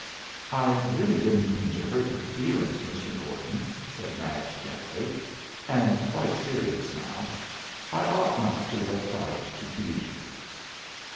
"I really didn't mean to hurt your feelings, Mr. Gordon," said Madge, gently, and quite serious now. "I ought not to have tried to tease you."